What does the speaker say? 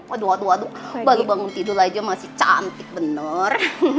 aduh aduh baru bangun tidur aja masih cantik bener